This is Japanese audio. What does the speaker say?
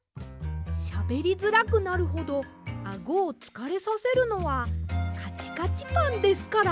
しゃべりづらくなるほどあごをつかれさせるのはかちかちパンですから。